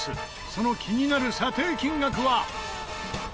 その気になる査定金額は。